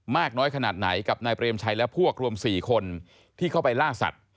มากน้อยขนาดไหนกับนายเปรมชัยและพวกรวม๔คนที่เข้าไปล่าสัตว